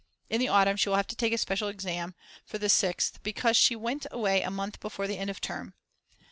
In the autumn she will have to have a special exam. for the Sixth because she went away a month before the end of term.